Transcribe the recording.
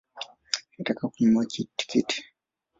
Nataka kununua tikiti